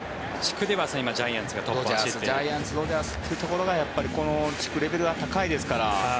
ジャイアンツドジャースというところがこの地区レベルは高いですから。